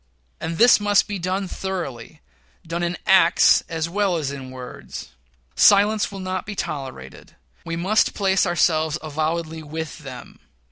And this must be done thoroughly done in acts as well as in words. Silence will not be tolerated we must place ourselves avowedly with them.